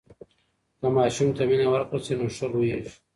که ماشوم ته مینه ورکړل سي نو ښه لویېږي.